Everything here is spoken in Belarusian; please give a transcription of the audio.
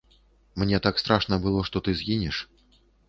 Мне так страшна было, што ты згінеш.